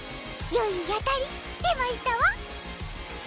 よい当たり出ましたわ。